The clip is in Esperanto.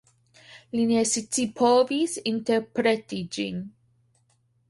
Li ne scipovis interpreti ĝin.